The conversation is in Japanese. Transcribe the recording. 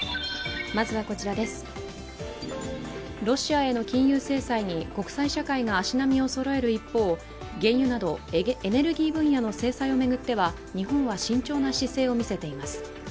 ロシアへの金融制裁に国際社会が足並みをそろえる一方原油などエネルギー分野の制裁を巡っては、日本は慎重な姿勢を見せています。